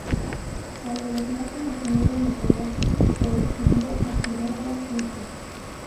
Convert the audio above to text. Cuando los nazis asumieron el poder, se exilió a Ginebra, Suiza.